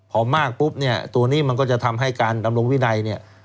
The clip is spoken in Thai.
พอมากปุ๊บตัวนี้มันก็จะทำให้การทำลงวินัย